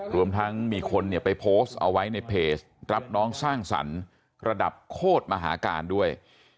รวมทั้งมีคนเนี่ยไปโพสต์เอาไว้ในเพจรับน้องสร้างสรรค์ระดับโคตรมหาการด้วย